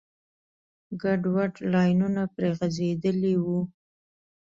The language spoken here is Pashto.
ګډوډ لاینونه پرې غځېدلي وو.